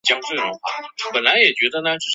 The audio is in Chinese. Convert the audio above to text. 恩格尔贝格是瑞士上瓦尔登州的一个镇。